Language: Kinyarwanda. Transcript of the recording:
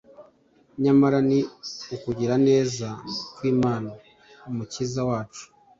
Nyamara ni ukugira neza kw’Imana Umukiza wacu